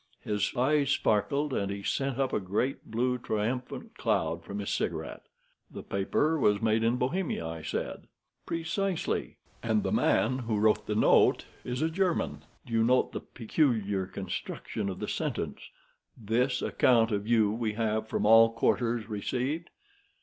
His eyes sparkled, and he sent up a great blue triumphant cloud from his cigarette. "The paper was made in Bohemia," I said. "Precisely. And the man who wrote the note is a German. Do you note the peculiar construction of the sentence—'This account of you we have from all quarters received'?